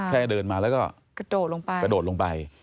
แค่เดินมาแล้วก็กระโดดลงไป